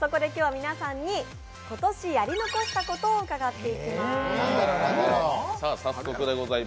そこで皆さんに今日は今年やり残したことを伺っていきます。